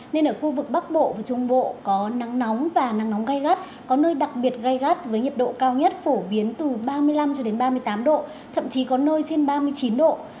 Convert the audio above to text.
nên ở khu vực bắc bộ và trung bộ có nắng nóng và nắng nóng gai gắt có nơi đặc biệt gai gắt với nhiệt độ cao nhất phổ biến từ ba mươi năm ba mươi tám độ thậm chí có nơi trên ba mươi chín độ